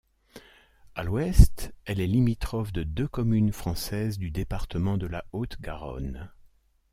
À l'ouest, elle est limitrophe de deux communes françaises du département de la Haute-Garonne.